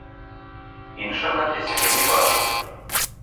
Іншага для сябе не бачу.